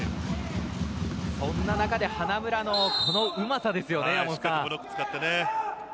そんな中で花村のこのうまさですよね。